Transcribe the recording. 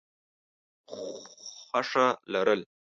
خوښه لرل: